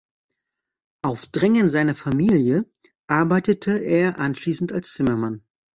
Auf Drängen seiner Familie arbeitete er anschließend als Zimmermann.